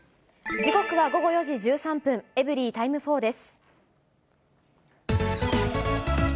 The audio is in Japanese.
時刻は午後４時１３分、エブリィタイム４です。